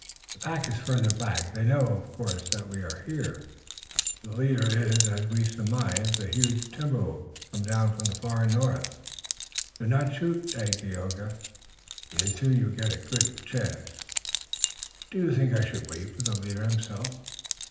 The pack is farther back. They know, of course, that we are here. The leader is, as we surmised, a huge timber wolf, come down from the far north. Do not shoot, Dagaeoga, until you get a good chance." "Do you think I should wait for the leader himself?"